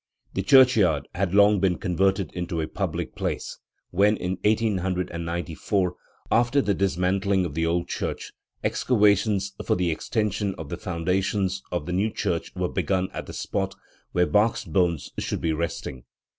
The churchyard had long been converted into a public place when, in 1894, after the dismantling of the old church, excavations for the extension of the foundations of the new church were begun at the spot where Bach's bones should be resting.